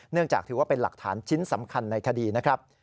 จากถือว่าเป็นหลักฐานชิ้นสำคัญในคดีนะครับ